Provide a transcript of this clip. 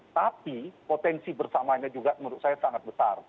tapi potensi bersamanya juga menurut saya sangat besar